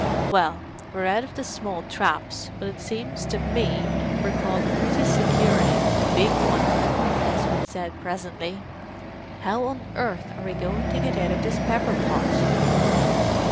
"Well—we're out of the small traps, but it seems to me we're caught pretty securely in a big one," Desmond said presently. "How on earth are we going to get out of this pepper pot?"